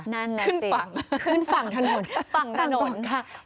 นั่นแหละสิขึ้นฝั่งถนนต่างค่ะฝั่งต่อไป